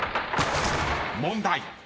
［問題］